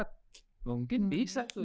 kalau saya mungkin bisa tuh ya